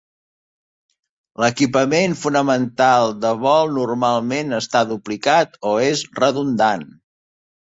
L'equipament fonamental de vol normalment està duplicat o és redundant.